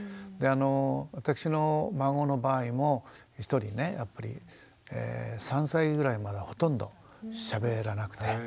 であの私の孫の場合も１人ねやっぱり３歳ぐらいまでほとんどしゃべらなくて。